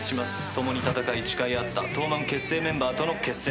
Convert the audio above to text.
共に戦い誓い合った東卍結成メンバーとの決戦。